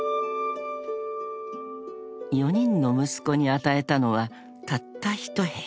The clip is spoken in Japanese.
［４人の息子に与えたのはたった一部屋］